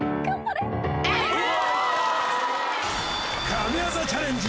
神業チャレンジ